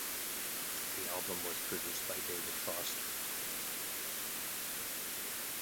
The album was produced by David Foster.